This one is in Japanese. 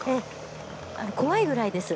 怖いぐらいです。